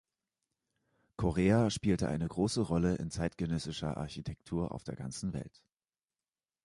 Correa spielte eine große Rolle in zeitgenössischer Architektur auf der ganzen Welt.